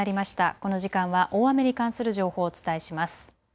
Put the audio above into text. この時間は大雨に関する情報をお伝えします。